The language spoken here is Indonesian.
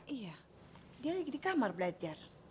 iya dia lagi di kamar belajar